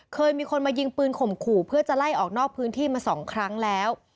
เคยมีคนมายิงปืนข่มขู่เพื่อจะไล่ออกนอกพื้นที่มา๒ครั้งแล้ว